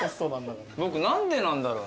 僕何でなんだろう